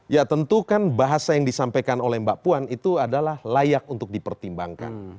ya tentu kan bahasa yang disampaikan oleh mbak puan itu adalah layak untuk dipertimbangkan